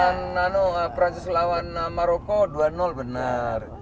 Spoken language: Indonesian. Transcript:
inggris lawan prancis lawan maroko dua benar